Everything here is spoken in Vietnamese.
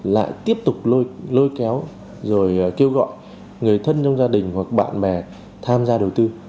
lại tiếp tục lôi lôi kéo rồi kêu gọi người thân trong gia đình hoặc bạn bè tham gia đầu tư